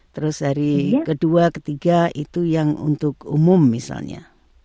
terus hari kedua ketiga itu yang untuk umum misalnya